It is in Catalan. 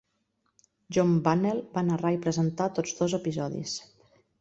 John Bunnell va narrar i presentar tots dos episodis.